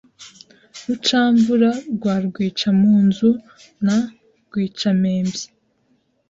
Rucamvura rwa Rwicamunzu na Rwicampembyi